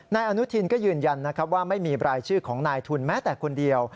นายอนุทินก็ยืนยันนะครับว่าไม่มีรายชื่อของนายทุนแม้แต่คนเดียว